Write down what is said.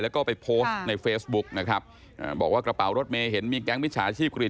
แล้วก็ไปโพสต์ในเฟซบุ๊กนะครับอ่าบอกว่ากระเป๋ารถเมย์เห็นมีแก๊งมิจฉาชีพกรีด